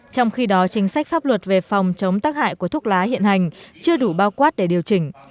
trong khi đó chính sách pháp luật về phòng chống tác hại của thuốc lá hiện hành chưa đủ bao quát để điều chỉnh